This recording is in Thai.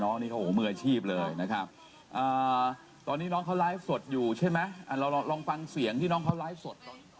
น้องนี่เขามืออาชีพเลยนะครับตอนนี้น้องเขาไลฟ์สดอยู่ใช่ไหมเราลองฟังเสียงที่น้องเขาไลฟ์สด